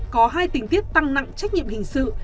có hai tình tiết tăng nặng trách nhiệm hình sự